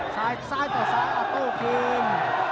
ซ้ายต่อซ้ายโต๊ะครีม